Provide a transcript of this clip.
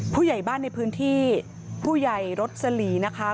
ผู้ใหญ่บ้านในพื้นที่ผู้ใหญ่รสลีนะคะ